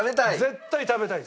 絶対食べたい！